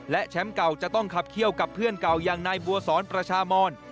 และแชมป์เก่าจะต้องขับเขี้ยวกับเพื่อนเก่าอย่างนายบัวสอนประชามอน